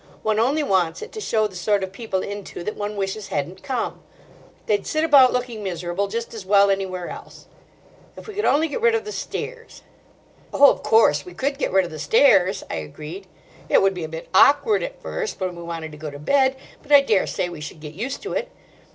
One only wants it to show the sort of people into that one wishes hadn't come. They'd sit about, looking miserable, just as well anywhere else. If we could only get rid of the stairs—" "Oh, of course! we could get rid of the stairs," I agreed. "It would be a bit awkward at first, when we wanted to go to bed. But I daresay we should get used to it.